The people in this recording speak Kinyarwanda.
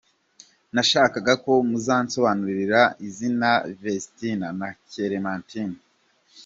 Ndashakako muzansobanu rira izina vesitina na keremantina.